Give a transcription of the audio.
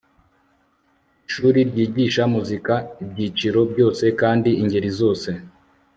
ishuri ryigisha muzika ibyiciro byose kandi ingeri zose